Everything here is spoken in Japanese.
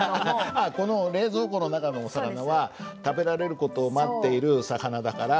あっこの冷蔵庫の中のお魚は食べられる事を待っている魚だから。